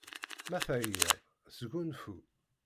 Ma teεyiḍ, sgunfu!